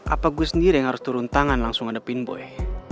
apa gue sendiri yang harus turun tangan langsung adepin gue